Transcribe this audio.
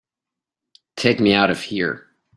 Take me out of here!